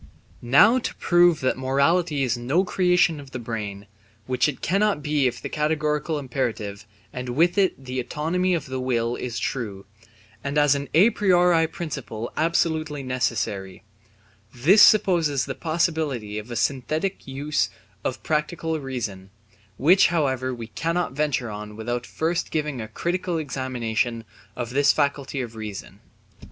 Now to prove that morality is no creation of the brain, which it cannot be if the categorical imperative and with it the autonomy of the will is true, and as an a priori principle absolutely necessary, this supposes the possibility of a synthetic use of pure practical reason, which however we cannot venture on without first giving a critical examination of this faculty of reason.